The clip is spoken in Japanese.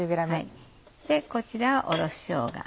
こちらはおろししょうが。